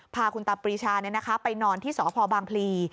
พาคุณตาปรีชาไปนอนที่สพบางพลี